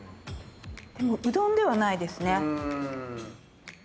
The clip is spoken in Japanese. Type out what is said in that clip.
でもうどんではないですね。